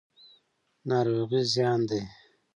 ناروغي زیان دی.